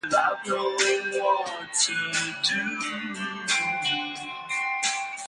It stopped the show and history was made.